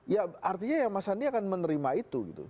ya artinya ya mas sandi akan menerima itu